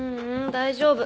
大丈夫。